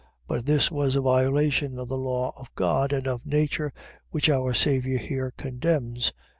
But this was a violation of the law of God, and of nature, which our Saviour here condemns.